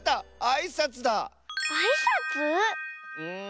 あいさつ？ん。